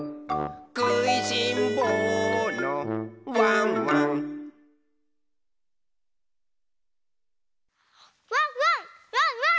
「くいしんぼうのワンワン」ワンワンワンワン！